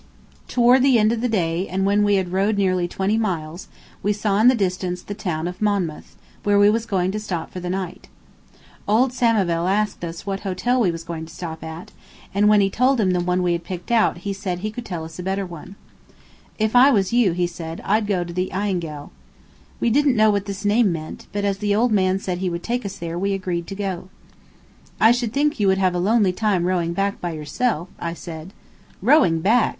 Toward the end of the day, and when we had rowed nearly twenty miles, we saw in the distance the town of Monmouth, where we was going to stop for the night. [Illustration: "In the winter, when the water is frozen, they can't get over"] Old Samivel asked us what hotel we was going to stop at, and when we told him the one we had picked out he said he could tell us a better one. "If I was you," he said, "I'd go to the Eyengel." We didn't know what this name meant, but as the old man said he would take us there we agreed to go. "I should think you would have a lonely time rowing back by yourself," I said. "Rowing back?"